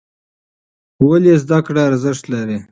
ولې زده کړه ارزښت لري؟